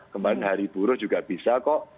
kembali hari buruh juga bisa kok